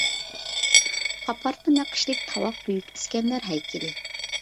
قاپارتما نەقىشلىك تاۋاق بۈيۈك ئىسكەندەر ھەيكىلى.